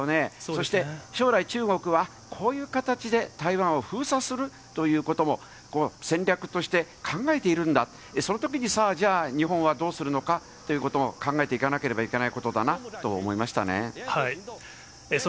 そして、将来、中国はこういう形で台湾を封鎖するということも、戦略として考えているんだ、そのときに、さあ、じゃあ日本はどうするのかということを考えていかなければいけな